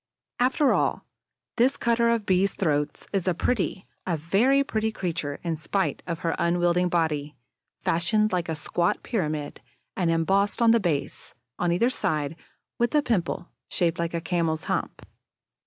After all, this cutter of Bees' throats is a pretty, a very pretty creature, in spite of her unwieldy body fashioned like a squat pyramid and embossed on the base, on either side, with a pimple shaped like a camel's hump.